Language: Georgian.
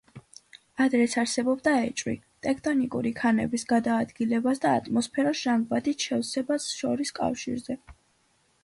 ადრეც არსებობდა ეჭვი ტექტონიკური ქანების გადაადგილებას და ატმოსფეროს ჟანგბადით შევსებას შორის კავშირზე.